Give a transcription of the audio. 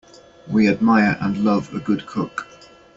We admire and love a good cook.